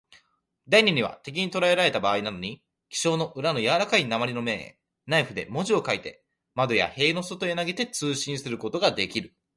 第二には、敵にとらえられたばあいなどに、記章の裏のやわらかい鉛の面へ、ナイフで文字を書いて、窓や塀の外へ投げて、通信することができる。